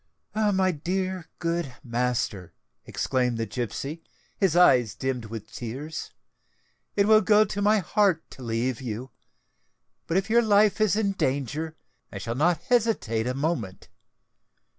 "My dear, good master," exclaimed the gipsy, his eyes dimmed with tears, "it will go to my heart to leave you; but if your life is in danger, I shall not hesitate a moment.